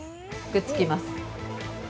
くっつきます。